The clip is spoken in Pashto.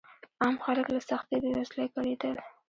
عام خلک له سختې بېوزلۍ کړېدل.